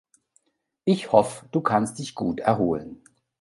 Ich hoff, du kannst dich gut erholen.